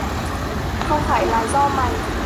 Không phải là do mày